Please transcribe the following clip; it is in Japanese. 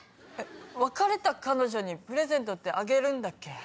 別れた彼女にプレゼントってあげるんだっけ？